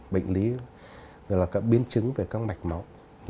bệnh lý là biến chứng về các mạch máu